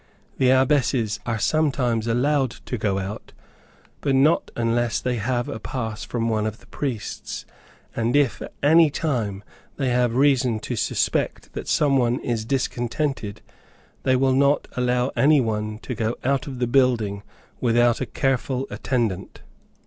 The Abbesses are sometimes allowed to go out, but not unless they have a pass from one of the priests, and if, at any time, they have reason to suspect that some one is discontented, they will not allow any one to go out of the building without a careful attendant.